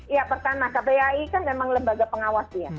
ya pertama kpai kan memang lembaga pengawasnya